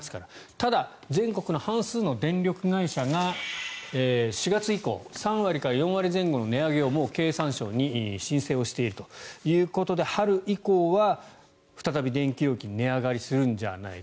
ただ、全国の半数の電力会社が４月以降３割から４割前後の値上げをもう経産省に申請しているということで春以降は再び電気料金が値上がりするんじゃないか。